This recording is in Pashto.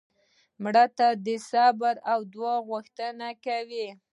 مړه د صبر او دعا غوښتنه کوي